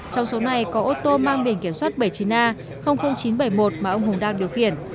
trong số này có ô tô mang biển kiểm soát bảy mươi chín a chín trăm bảy mươi một mà ông hùng đang điều khiển